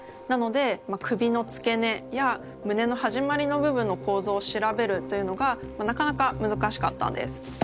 なので首の付け根や胸の始まりの部分の構造を調べるというのがなかなかむずかしかったんです。